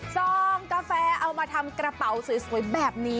ซองกาแฟเอามาทำกระเป๋าสวยแบบนี้